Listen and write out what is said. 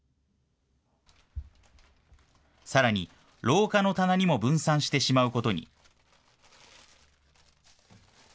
さらに廊下の棚にも分散してしまうことに。